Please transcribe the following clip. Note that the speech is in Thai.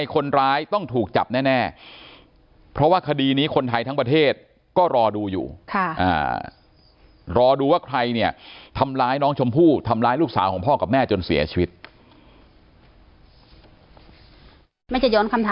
ก็รอดูว่าใครเนี่ยทำร้ายน้องชมพู่ทำร้ายลูกสาวของพ่อกับแม่จนเสียชีวิต